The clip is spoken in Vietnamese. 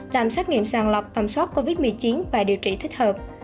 làm xét nghiệm sàng lọc tổng số covid một mươi chín và điều trị thích hợp